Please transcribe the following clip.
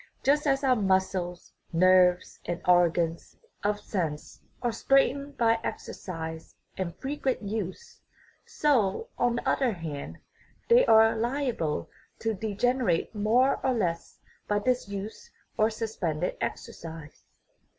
Just as our muscles, nerves, and organs 265 THE RIDDLE OF THE UNIVERSE of sense are strengthened by exercise and frequent use, so, on the other hand, they are liable to degenerate more or less by disuse or suspended exercise.